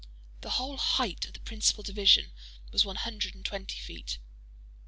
The whole height of the principal division was one hundred and twenty feet.